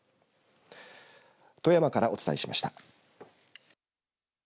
富山からお伝えしました。